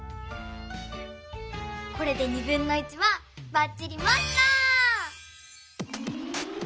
これではばっちりマスター！